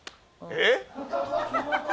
えっ？